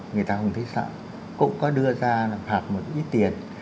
người ta không thấy sợ cũng có đưa ra là phạt một ít tiền